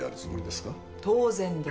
当然です。